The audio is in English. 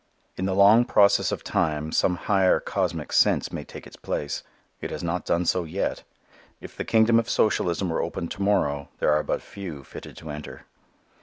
In the long process of time some higher cosmic sense may take its place. It has not done so yet. If the kingdom of socialism were opened to morrow, there are but few fitted to enter.